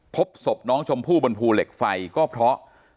พบศพน้องชมพู่บนภูเหล็กไฟก็เพราะ